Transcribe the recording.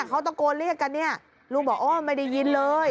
เขาตะโกนเรียกกันเนี่ยลูกบอกโอ้ไม่ได้ยินเลย